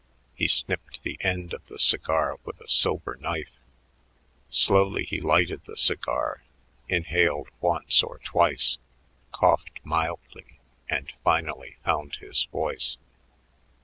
He snipped the end of the cigar with a silver knife. Slowly he lighted the cigar, inhaled once or twice, coughed mildly, and finally found his voice.